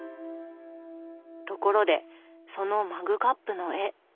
ところでそのマグカップの絵。